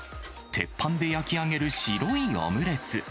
鉄板で焼き上げる白いオムレツ。